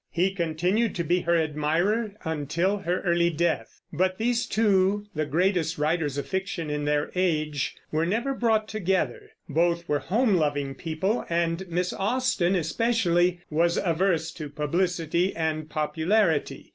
He continued to be her admirer until her early death; but these two, the greatest writers of fiction in their age, were never brought together. Both were home loving people, and Miss Austen especially was averse to publicity and popularity.